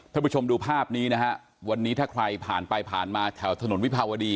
ผู้ชมดูภาพนี้นะฮะวันนี้ถ้าใครผ่านไปผ่านมาแถวถนนวิภาวดี